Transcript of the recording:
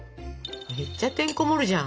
めっちゃてんこ盛るじゃん。